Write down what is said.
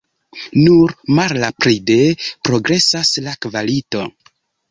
Nur malrapide progresas la kvalito.